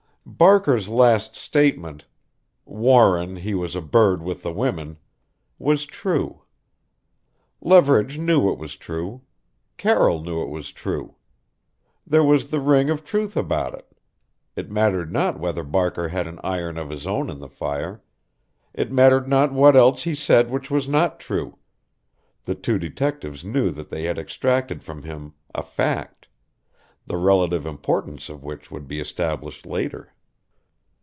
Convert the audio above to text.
Barker's last statement "Warren, he was a bird with the women!" was true. Leverage knew it was true. Carroll knew it was true. There was the ring of truth about it. It mattered not whether Barker had an iron of his own in the fire it mattered not what else he said which was not true the two detectives knew that they had extracted from him a fact, the relative importance of which would be established later.